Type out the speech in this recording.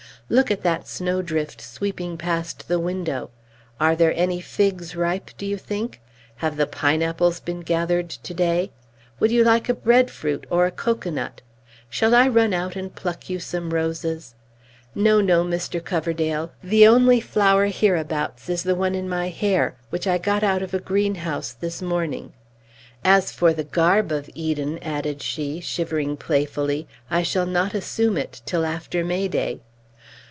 Look at that snowdrift sweeping past the window! Are there any figs ripe, do you think? Have the pineapples been gathered to day? Would you like a bread fruit, or a cocoanut? Shall I run out and pluck you some roses? No, no, Mr. Coverdale; the only flower hereabouts is the one in my hair, which I got out of a greenhouse this morning. As for the garb of Eden," added she, shivering playfully, "I shall not assume it till after May day!"